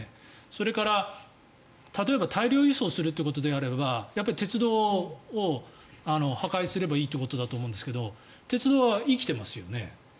それから例えば大量輸送するということであれば鉄道を破壊すればいいということだと思うんですが鉄道は生きていますよね。